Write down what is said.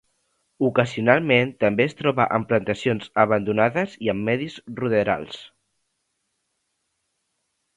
Ocasionalment també es troba en plantacions abandonades i en medis ruderals.